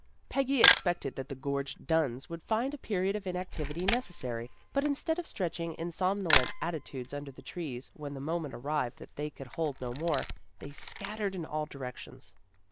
Peggy expected that the gorged Dunns would find a period of inactivity necessary, but instead of stretching in somnolent atti tudes under the trees when the moment arrived that they could hold no more, they scattered in all directions.